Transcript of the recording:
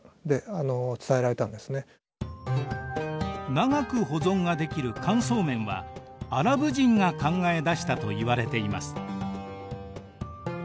長く保存ができる乾燥麺はアラブ人が考え出したといわれています。